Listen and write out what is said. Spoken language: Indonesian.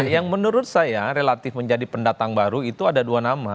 yang menurut saya relatif menjadi pendatang baru itu ada dua nama